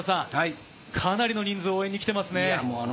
かなりの人数、応援に来ていますね。